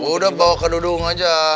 udah bawa ke dudung aja